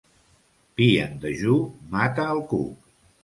Vi en dejú mata el cuc.